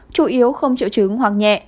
chủ yếu không triệu chứng hoặc nhẹ